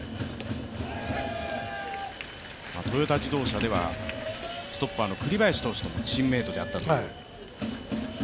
トヨタ自動車ではストッパーの栗林投手とチームメートであったという。